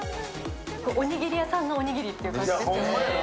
おにぎり屋さんのおにぎりって感じですね。